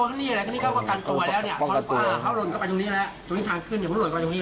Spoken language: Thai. เช่าเรื่อง